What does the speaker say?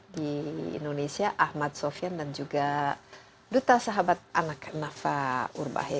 di indonesia ahmad sofian dan juga duta sahabat anak nafa urbah ya